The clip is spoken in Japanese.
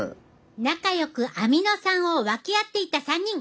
仲良くアミノ酸を分け合っていた３人。